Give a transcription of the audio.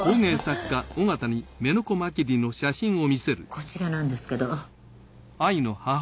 こちらなんですけど。